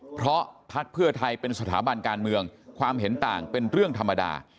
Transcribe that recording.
เพราะพักเพื่อไทยเป็นสถาบันการเมืองความเห็นต่างเป็นเรื่องธรรมดา